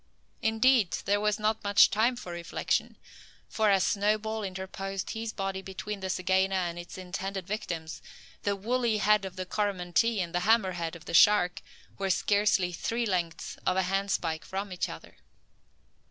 Indeed, there was not much time for reflection: for as Snowball interposed his body between the zygaena and its intended victims, the woolly head of the Coromantee and the hammer head of the shark were scarcely three lengths of a handspike from each other.